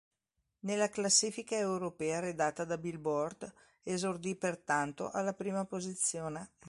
Nella classifica europea, redatta da "Billboard" esordì pertanto alla prima posizione.